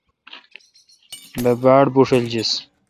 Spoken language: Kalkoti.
بہ باڑ بھوݭل جس۔